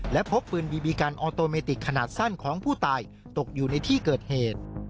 และพบปืนบีบีกันออโตเมติกขนาดสั้นของผู้ตายตกอยู่ในที่เกิดเหตุ